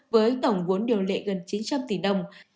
với tổng vốn điều lệ gần chín trăm linh tỷ đồng